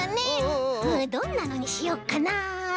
どんなのにしよっかな？